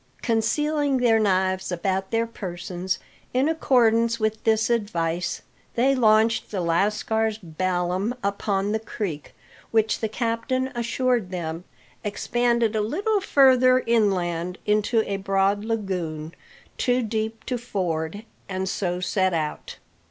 Concealing their knives about their persons in accordance with this advice, they launched the lascar's ballam upon the creek which the captain assured them expanded a little further inland into a broad lagoon, too deep to ford and so set out..